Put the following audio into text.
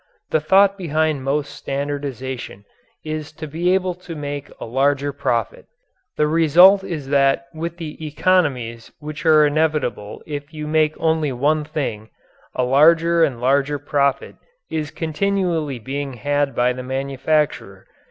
The thought behind most standardization is to be able to make a larger profit. The result is that with the economies which are inevitable if you make only one thing, a larger and larger profit is continually being had by the manufacturer.